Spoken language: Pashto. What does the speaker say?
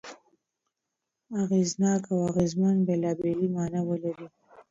اغېزناک او اغېزمن بېلابېلې ماناوې لري.